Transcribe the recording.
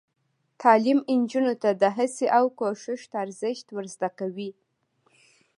تعلیم نجونو ته د هڅې او کوشش ارزښت ور زده کوي.